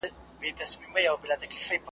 تښتولی له شته منه یې آرام وو .